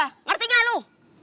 ngerti gak lu